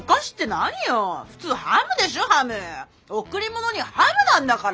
贈り物にはハムなんだから。